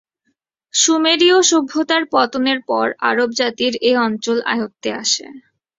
সুমেরীয় সভ্যতার পতনের পর আরব জাতির এ অঞ্চল আয়ত্তে আসে।